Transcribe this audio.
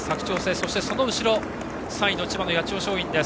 そして、その後ろには千葉の八千代松陰です。